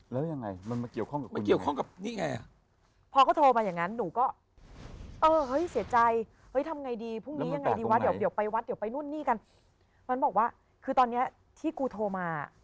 แล้วยังไงมันเกี่ยวข้องกับคุณไหม